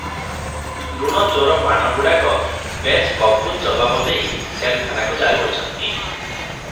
ଲୁଣ ଚୋର ପାଣଗୁଡାକ ବେଶ କବୁଲ ଜବାବ ଦେଇ ଜେଲଖାନାକୁ ଯାଉଅଛନ୍ତି ।